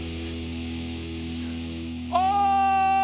おい！